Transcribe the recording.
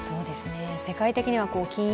世界的には金融